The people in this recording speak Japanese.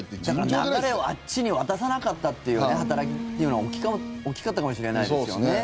だから流れをあっちに渡さなかったっていう働きっていうのは大きかったかもしれないですよね。